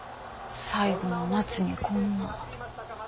最後の夏にこんな。